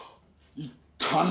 言ったな？